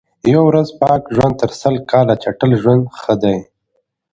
یوه ورځ پاک ژوند تر سل کال چټل ژوند ښه دئ.